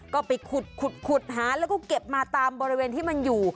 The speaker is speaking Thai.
ก็ไปขุดหาแล้วก็เก็บมาตามบริเวณที่มันอยู่